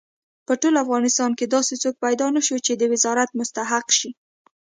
په ټول افغانستان کې داسې څوک پیدا نه شو چې د وزارت مستحق شي.